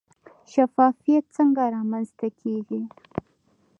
شفافیت څنګه رامنځته کیږي؟